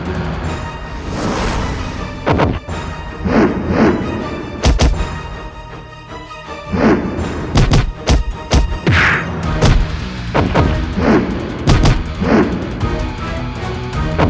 aku akan meng treadani mereka